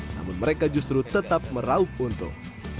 namun mereka justru tetap meraup untung